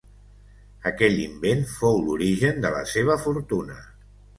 Aquell invent fou l'origen de la seva fortuna.